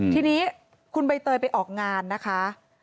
ทีนี้คุณใบเตยไปออกงานนะคะ